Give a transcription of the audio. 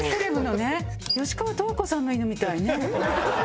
吉川十和子さんの犬みたいね。